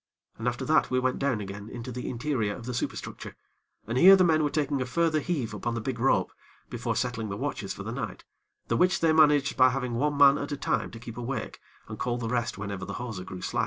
And after that we went down again into the interior of the superstructure, and here the men were taking a further heave upon the big rope, before settling the watches for the night, the which they managed, by having one man at a time to keep awake and call the rest whenever the hawser grew slack.